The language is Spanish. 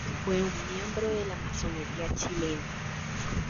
Fue miembro de la masonería chilena.